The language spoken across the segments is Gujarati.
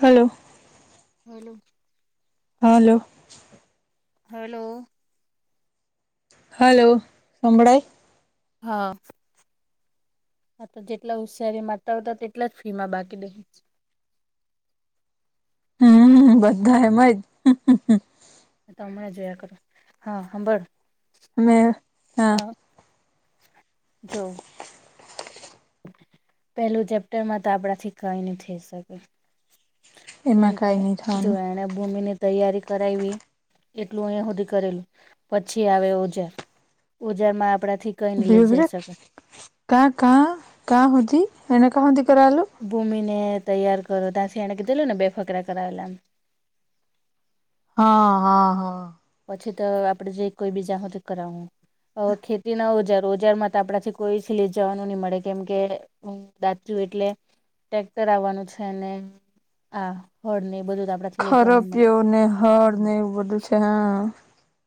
હલો. હલો. હા હલો. હલો. હલો સંંભળાઈ. હા. હા તો જેટલા હોશિયારી માતા આવતા તેટલા જ ફી માં બાકી દે. હમ બધા એમજ. ત હમણાં જોયા કરો હા સાંભળ. અ હા. જો. પેલું ચેપ્ટરમાં તો આપડાથી કઈ નહી થઈ શકે. કેમ એમાં કે કઈ નઈ જોયાણે ભૂમિને. તૈયારી કરાવી એટલું અહી સુધી કરેલું પછી આવે ઓજા. ઉજામાં આપડા થી. બ કા - કા હોતી એને કા હોતી કરેલું. ભૂમિ ને તૈયાર કરો ત્યા શે કે ચલો ને બેફકરા કરાવેલામ. હા હા હા. પછી તો આપડે જે કોઈ બીજા હો તો કરાવું. હ ખેતી ના ઓજારો ઓજારમાં તો આપડાથી કોઈ સી લ જવાનું નહી મળે કેમ કે- દાતુ એટલે ટ્રેક્ટર આવવાનું છે અને- આા હોળ ને બધું આપડ- ખરા પ એવું ને હાર ને એવું બધું છે હા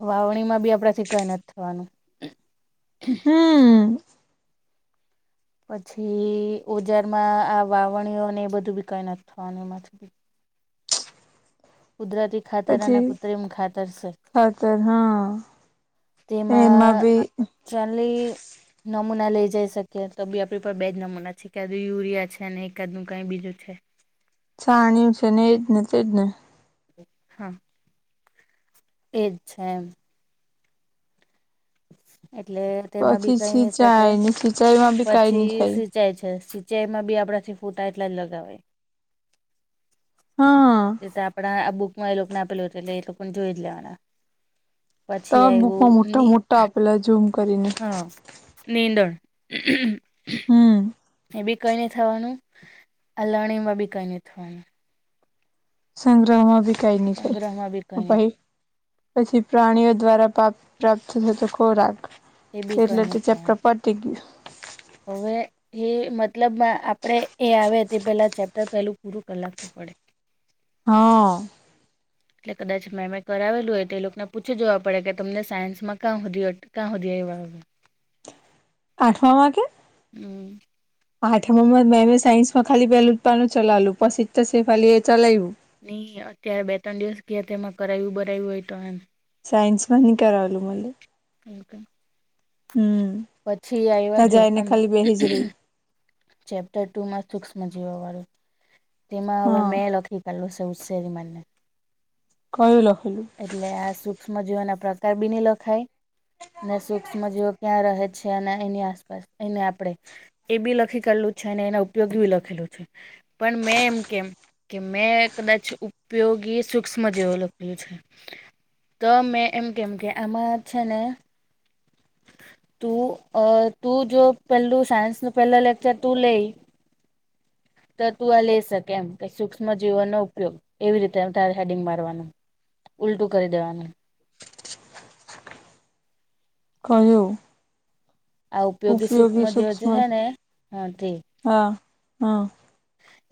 વાવણી માં બી આપડાથી કઈ નથી થવાનું- હમ પછી ઓજારમાં આ વાવણીઓને એ બધું બી કઈ નથી થવાનું એમાંથી કુદરતી ખાતર પછી અને કૃત્રિમ ખાતર છે ખાતર હ એમાં તેમાં ભી ચાલી નમૂના લઈ જાય શકીએ તો બી આપડી ઉપર બેજ નમૂના છે એકાદ યુરિયા છે અને એકાદ નું કઈ બીજું છે છાણ્યું છે ને એજ ને તેજ ને હા એ જ છે એમ એટલે તેમાં પછી બી કઈ નઈ [unintelligible] કે સિંચાઈ ને સિંચાઈમાં બી કઈ નઈ પછી થાય સિંચાઈ છે સિંચાઈ માં બી આપડાથી ફૂટા એટલા જ લગાવય હા તે તો આપણા આ બુક માં એ લોકો ને આપેલું હતું એટલે એ લોકોને જોઈ જ લેવાના. તો પછી બુકમાં આવ્યું મોટો ની મોટો આપેલો ઝૂમ કરીને. હા નીંદણ હમ એ બી કઈ ની થવાનું અ લલણી માં બી કઈ નીથવાનું સંગ્રહમાં ભી કઈ નહી સંગ્રહમાં બી કઈ થાય નહી પહિ પછી પ્રાણીઓ દ્વારા પાક પ્રાપ્ત થતો ખોરાક એ બી કઈ એટલે નહી તો થવાનું ચેપ્ટરપ પતી ગ્યું. હવે એ મતલબમા આપણેે એ આવે તે પેલા ચેપ્ટર પેલું પૂરું કર લાખવું પડે. હા એટલે કદાચ મેમે કરાવેલું હોય તો એ લોકોને પૂછી જવા પડે કે તમને સાયન્સમાં કા હુંધી ટ કા હુંધી આયવા [inaudible] આઠમાંમાં કે આઠમાંમાં મેમે સાયન્સ માં ખાલી પેલું જ પાનું ચલાવલું પછી જ તો સેફાલી એ ચલાયવુ ની અત્યારે બે ત્રણ દિવસ ગીયા તેમાં કરાયવ બરાયવુ હોય તો એમ સાયન્સમાં ની કરાવેલું મલે હમ પછી આયવા તા જો જાયને આમાં ખાલી બેહી જ રહી ચેપ્ટર ટુમાં સુક્ષમ જીવવા વાળું તેમાં હવે હા મેં લખી કાલલુ સે ઉસયારી મારને કયુ લખેલું એટલે આ સ સુક્ષ્મ જીવના પ્રકાર બી ની લખાય અને સુૂક્ષ્મ જેવો ક્યાં રહે છે અને એની આસપાસ એને આપણેે એ બી લખી કાડલું છે અને એના ઉપયોગ બી લખેલું છે પણ મેં એમ કેમ કે મેં કદાચ ઉપયોગી સૂક્ષ્મ જેવું લખ્યું છે. તો મેં એમ કેમ કે આમાં છે ને તું અ તું જો પહેલું સાયન્સનું પહેલા લેક્ચર તું લેઈ તો તું આ લે શકે એમ કે સુક્ષ્મ જીવનનો ઉપયોગ એવી રીતે હેડિંગ મારવાનું. ઉલટું કરી દેવાનું કયું આ ઉપયોગી સુક્ષ્મજીવો જે છે ને હ તે હા હા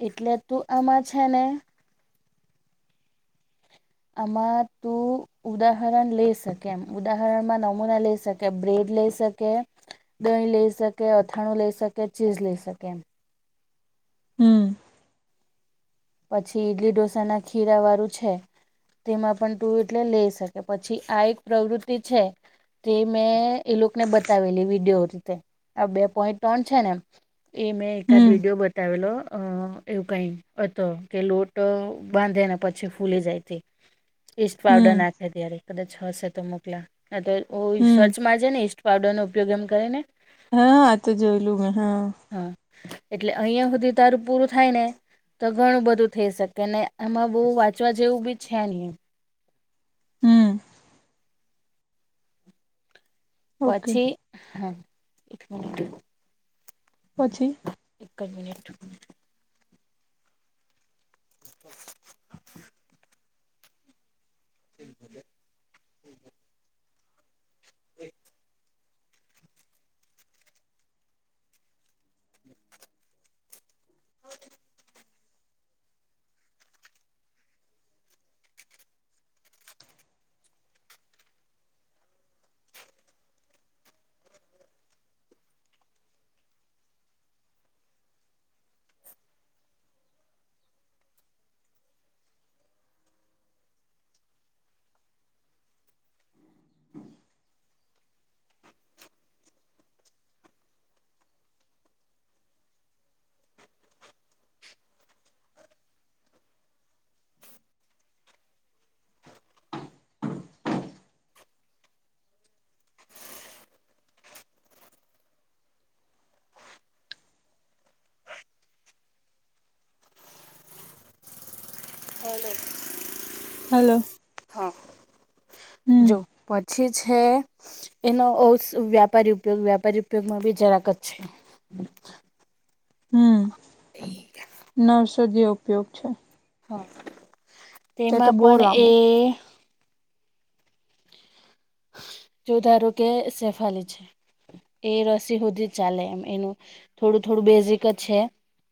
એટલે તું આમાં છે ને આમાં તું ઉદાહરણ લે શકે એમ ઉદાહરણ માં નમૂના લઇ શકે બ્રેડ લઇ શકે કે દહી લઈ શકે અથાણું લઈ શકે ચીઝ લઈ શકે હમ પછી ઈડલી ઢોસા ના ખીરા વાળું છે તેમાં પણ તું એટલે લઈ શકે પછી આ એક પ્રવૃતિ છે તે મેં એ લોકોને બતાવેલી વિડીયો એવી રીતે આ બે પોઈન્ટ ત્રણ છેને એમ એ મેં એકાદ હમ વિડીયો બતાવેલો અ એવું કઈ તો કે લોટ બાંધે ને પછી ફૂલી જાય તે ઈસ્ટ હમ પાવડર નાખે ત્યારે કદાચ હશે તો મોકલા ને તો સર્ચ હમ મારજે ની ઈસ્ટ પાવડર નો ઉપયોગ એમ કરી ને હા આ તો જોયલું મે હા હા એટલે અહિયાં સુધી તારું પૂરું થાય ને તો ઘણું બધું થઈ શકે ને એમાં બહુ વાંચવા જેવું બી છે નહી એ હમ ઓકે પછી હ એક મિનિટ પછી એક જ મિનિટ હમ હમ [unintelligible] હ [inaudible] હ [inaudible] હલર [unintelligible] હલો હા હમ જો પછી છે. એનો વ્યાપારી ઉપયોગ વ્યાપારી ઉપયોગમાં બી જરાક જ છે. હમ ઠીક [unintelligible] નર્સ જે ઉપયોગ છે. હા તે તો તેમાં બહુ પણ એ લાંબુ જો ધારો કે સેફાલી છે એ રસી સુધી ચાલે એમ એનું થોડું થોડું બેઝિક જ છે.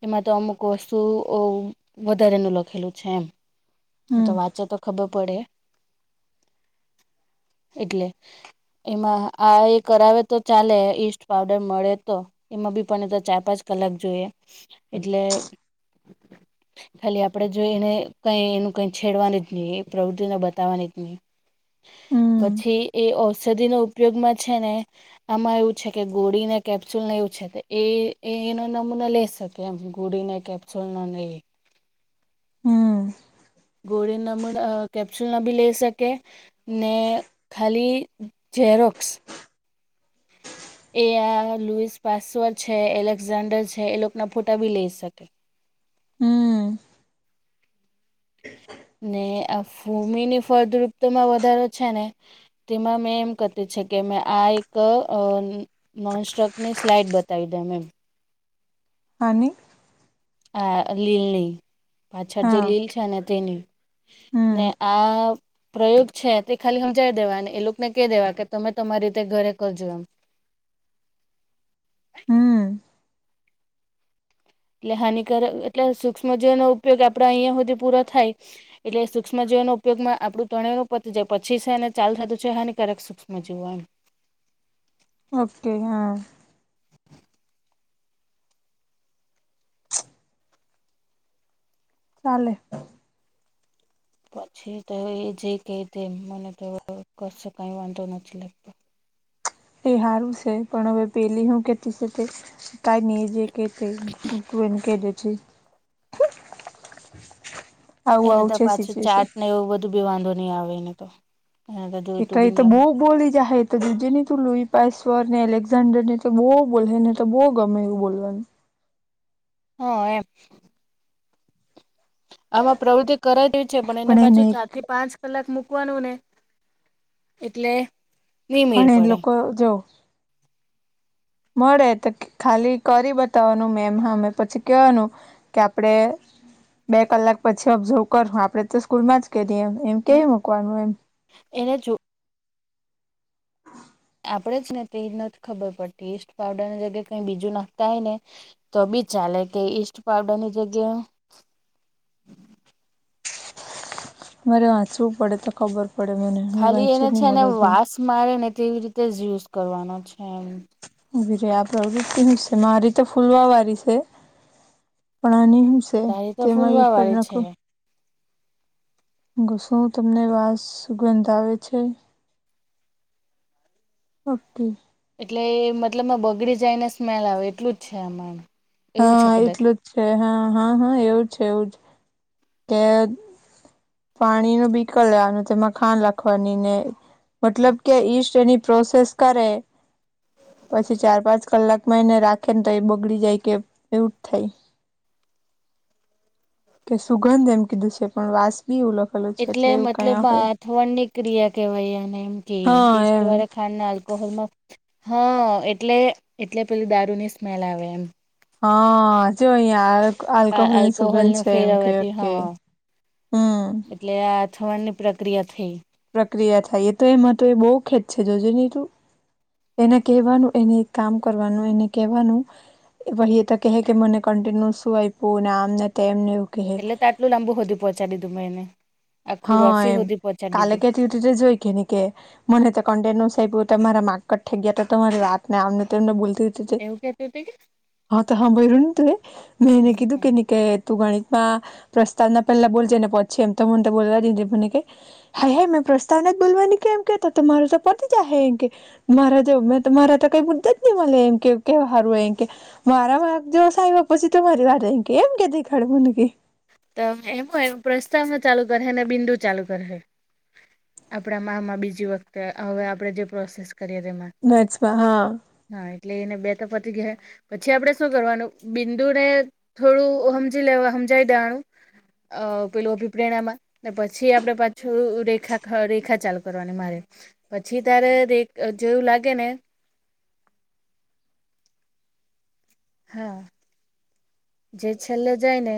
એમાં તો અમુક વસ્તુ વધારેનું લખેલું છે એમ હ તો હમ વાંચ તો ખબર પડે એટલે એમાં આ એ કરાવે તો ચાલે ઈસ્ટ પાવડર મળે તો એમાં બી પણ તો ચાર પાંચ કલાક જોઈએ એટલે ખાલી આપડણે જોઈ એને કઈ એનું કઈ છેડવાની જ નહી એ પ્રવૃત્તિને બતાવવાની જ નહી હમ પછી એ ઔષધિનો ઉપયોગમાં છે ને આમાં એવું છે કે ગોળીને કેપ્સ્યુલને એવું છે એ એનો નમૂનો લે શકે કેમ ગુડી ને કેપ્સુલ નો લઈ. હમ ગોળી નમૂ કેપ્સ્યુલ ના બી લઈ શકે ને ખાલી ઝેરોક્સ એ આ લુઈસ પાસવર છે એલેક્ઝાન્ડર છે એ લોકો ના ફોટા ભી લઈ શકે હમ ને આ ભૂમિની ફળદ્રુપ્તોમાં વધારો છે ને તેમાં મેં એમ કતી છે કે મે આ એક મસ્ટ્રક ની સ્લાઈડ બતાવી દે મેમ અને આ લીલની પાછળ જે હા લીલ છે ને તેની હમ ને આ પ્રયોગ છે તે ખાલી સમજાવી દેવા અને એ લોકોને કહી દેવા કે તમે તમારી રીતે ઘરે કરજો એમ હમ એટલે હાનિકારક એટલે સુૂક્ષ્મજીવ નો ઉપયોગ આપડા અહિયાં સુધી પૂરા થાય. એટલે સૂક્ષ્મજીવનો ઉપયોગમાં આપડું ત્રણે જે પછી છે અને ચાલ થતું છે હિકક મજવમ [unintelligible] ઓકે હા ચાલે [inaudible] પછી તો એ જે ક દ મને તો કશે કઈ વાંધો નથી લતો તે સારું છે પણ હવે પેલી શું કેતી છે તે ત નિજ ક તે ગ કટેે છે. આવું એને આવું તો છે પાછું સિચ્યુએશન ચાટ ને એવું બધું બી વાંધો નહીં આવેને તો એને તો એટ જોઈતું બી તો નહી આવે બહુ બોલી જાય તો જીજેની તું લુઈ પસવર ને એલેક્ઝાન્ડર ને તો બો બોલે ને તો બો ગમે એવું બોલવાનું હ એમ આમાં પ્રવૃત્તિ કરેતી છે પણ એને પાછું ચાર થી પાંચ કલાક મૂકવાનું ને એટલે ની મેર પણ એ પડે લોકો જો મળે તો ખાલી કરી બતાવાનું મેમ હામેં પછી કેવાનું કે આપડે બે કલાક પછી ઓબ્ઝર્વ કરહું આપડે તો સ્કૂલ માં જ કે ની એમ એમ હમ્મ કેઈ મૂકવાનું એમ એને જો આપડે જ ને તે નથી ખબર પડતી ટેસ્ટ પાવડરની જગ્યા કઈ બીજું નાખતા હોય ને તો બી ચાલે કે ઈસ્ટ પાવડર ની જગ્યા મારે વાંચવું પડે તો ખબર પડે મને ખાલી એને વાંચ્યું નહી છે ને મળે હજુ વાસ મારે ને કેવી રીતે જ યુઝ કરવાનો છે એમ ઉભી રે અ પ્રવૃતિ છે મા રીતે ફૂલવા વારી છે પણ આની હું સે તારી તો તેમાં ફૂલવા યુઝ કરી વાળી નાખો છે ઘશું તમને વાસ સુગંધ આવે છે ઓકે એટલે એ મતલબમાં બગડી જાય ને સ્મેલ આવે એટલું જ છે આમાં એવું છે હા કદાચ એટલું જ છે હા હા હા એવું છે એવું કે પાણી નું બી કર લેવાનું તેમાં ખાંડ લાખવાની ને મતલબ કે ઈસ્ટ એની પ્રોસેસ કરે પછી ચાર પાંચ કલાકમાં એને રાખે ને તો એ બગડી જાય કે એવું જ થાય કે સુગંધ એમ કીધું છે પણ વાસ ની [unintelligible] એટલે મતલબ અથવણ ની ક્રિયા કેવાય અને એમ કે હા ઇસ્ટ એમ વાળા ખાંડના [inaudible] હા એટલે એટલે પેલી દારૂની સ્મેલ આવે એમ હા જો અહીંયા આલ્કોહોલ ની સુગંધ આલ્કોહોલનું છે એમ કે ફેરવવાથી ઓકે હા હમ એટલે આથમણ ની પ્રક્રિયા થઈ પ્રક્રિયા થાય એ તો એમાં તો એ બૌ ખેદ છે જોજે ની તું એને કહેવાનું એને એક કામ કરવાનું એને કહેવાનું એ ભાઈ એ તો કહે કે મને કન્ટિન્યુ શું આપ્યુંને આમ ને તેમ નેવું એટલે તો આટલું લાંબુ હોધી પહોંચાડીધું મેં એને આખું હા રસી એમ હોધી પહોંચાડી દીધું [unintelligible] જોઈ કે ની કે મને તો કન્ટે નસ આયપુ તમારા માકટ થઈ ગયા તો તમારી વાત આમને તેમને બોલતી એવું કેતી હતી હા તો હા બોયરુ ને તુંયે મે એને કીધું કે કેની કે તું ગણિતમાં પ્રસ્તાવ ના પહેલા બોલજે ને પછી એમ તો મને બોલવા દેજે મને કે હા હે મેં પ્રસ્તાવના જ બોલવાની કે એમ કે તો તમારું તો પતી જાહે એમ કે મારા જો મે મારા તો કઈ મુદ્દા જ નઈ મળે એમ કે કેવા હારું એમ કે મારા માર્ક જો ઓછા અયવા પછી તમારી વાત એમ કે એમ કેતી ખડ મને કેય ત એમ એ પ્રસ્તાવના ચાલુ કરહે ને બિંદુ ચાલુ કરહે આપડા મામાં બીજી વખતે હવે આપડે જે પ્રોસેસ કરીએ તેમાં મેથ્સ માં હા હા એટલે એને બે તો પતી ગઈ અહે પછી આપડે શું કરવાનું બિંદુ ને થોડું હમજી લેવા હમજાવી દેવાનું અ પેલૂ અભિપ્રેણામાં પછી આપડે પાછું રેખા રેખા ચાલુ કરવાની મારે પછી ત્યારે રેક જેવું લાગે ને હા જે છેલ્લે જાય ને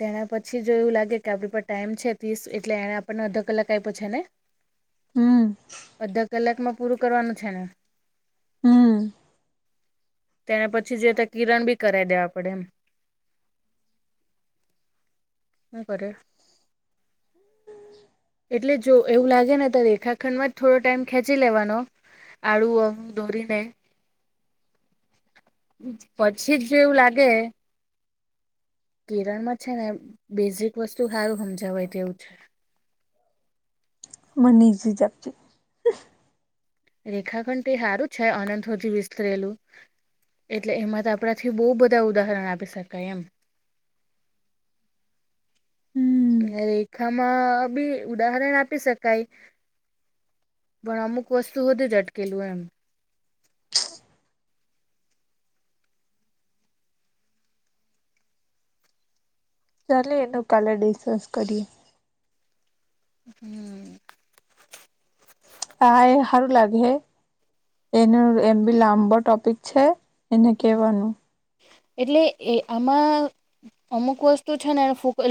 તેના પછી જો એવું લાગે કે આપણી પર ટાઈમ છે ત્રીસ એટલે એને આપણને અડધો કલાક આપ્યો છે ને. હમ અડધા કલાકમાં પૂરું કરવાનું છે ને. હમ્મ. તેને પછી જે તો કિરણ બી કરાવી દેવા પડે એમ. હું કરે. એટલે જો એવું લાગે ને તો રેખાખંડમાં જ થોડો ટાઈમ ખેંચી લેવાનો. આળુ અમ દરીને. પછી જ જો એવું લાગે કેરનમાં છે ને બેઝિક વસ્તુ હારું સમજય તેવું છે. મને ઈઝી જ આપજે. રેખાખંડ તે હારું છે અનંત હુધી વિસ્તરેલું. એટલે એમાં તો આપણાથી બહુ બધા ઉદાહરણ આપી શકાય એમ. હમ રેખામાં બી ઉદાહરણ આપી શકાય. પણ અમુક વસ્તુ હુધી જ અટકેલું એમ. ચાલે એનું કાલે ડિસ્કસ કરીએ. હમ્મ. હ એ હારું લાગે હે એનું એમ બી લાંબો ટોપિક છે. એને કહેવાનું. એટલે એ આમાં અમુક વસ્તુ છે ને ફોક